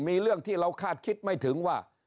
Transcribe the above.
มีเรื่องที่เราคาดคิดไม่ถึงว่า